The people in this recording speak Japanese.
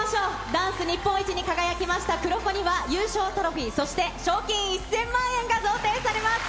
ダンス日本一に輝きましたＫＵＲＯＫＯには優勝トロフィー、そして賞金１０００万円が贈呈されます。